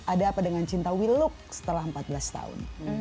ada apa dengan cinta wiluk setelah empat belas tahun